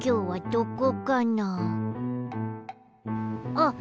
あっ！